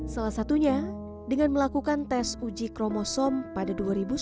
salah satunya dengan melakukan tes uji kromosom pada dua ribu sembilan belas